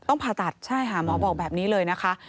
ผ่าตัดใช่ค่ะหมอบอกแบบนี้เลยนะคะ